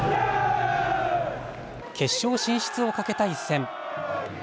決勝進出をかけた一戦。